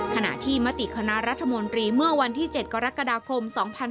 ขณะที่มติคณะรัฐมนตรีเมื่อวันที่๗กรกฎาคม๒๕๖๒